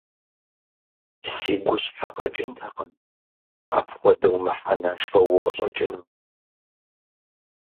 Си гущхьэ къэкӀынтэкъым, апхуэдэу мыхьэнэншэу укъыщӀэкӀыну.